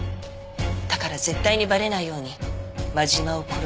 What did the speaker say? だから絶対にバレないように真島を殺す方法を考えた。